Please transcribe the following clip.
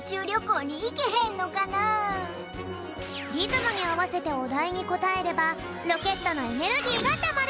リズムにあわせておだいにこたえればロケットのエネルギーがたまるぴょん。